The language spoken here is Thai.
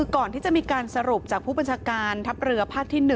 ก่อนที่จะมีการสรุปจากผู้บัญชาการทัพเรือภาคที่๑